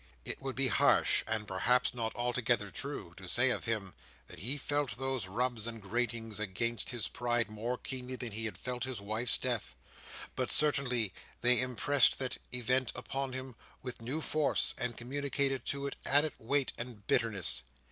It would be harsh, and perhaps not altogether true, to say of him that he felt these rubs and gratings against his pride more keenly than he had felt his wife's death: but certainly they impressed that event upon him with new force, and communicated to it added weight and bitterness.